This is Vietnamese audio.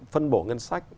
phân bổ ngân sách